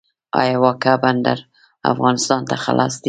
آیا واګه بندر افغانستان ته خلاص دی؟